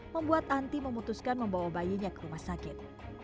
membuat anti memutuskan membawa bayinya ke rumah sakit